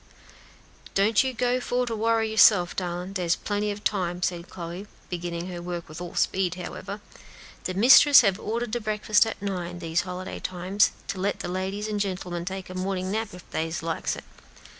"Don't you go for to worry yourself, darlin'; dere's plenty ob time," said Chloe, beginning her work with all speed, however; "de mistress had ordered de breakfast at nine, dese holiday times, to let de ladies an' gen'lemen take a mornin' nap if dey likes it."